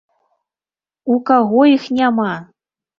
У каго іх няма!